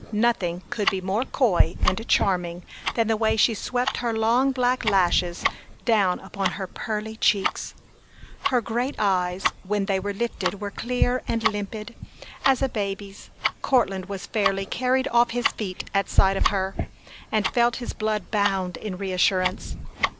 Nothing could be more coy and charming than the way she swept her long black lashes down upon her pearly cheeks. Her great eyes when they were lifted were clear and limpid as a baby's. Courtland was fairly carried off his feet at sight of her, and felt his heart bound in reassurance.